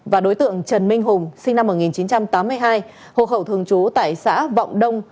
và đối tượng trần minh hùng sinh năm một nghìn chín trăm tám mươi hai hộ khẩu thường trú tại xã vọng đông